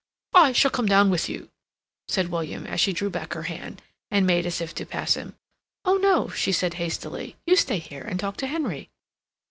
"I shall come down with you," said William, as she drew back her hand, and made as if to pass him. "Oh no," she said hastily. "You stay here and talk to Henry."